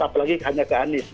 apalagi hanya ke anies